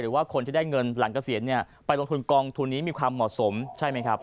ว่าคนที่ได้เงินหลังเกษียณเนี่ยไปลงทุนกองทุนนี้มีความเหมาะสมใช่ไหมครับ